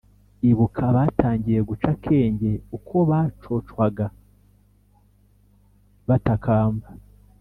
ibuka abatangiye guca akenge uko bacocwaga batakamba